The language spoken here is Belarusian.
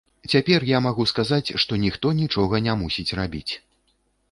Цяпер я магу сказаць, што ніхто нічога не мусіць рабіць.